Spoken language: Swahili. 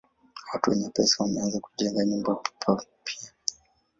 Watu wenye pesa wameanza kujenga nyumba hapa pia.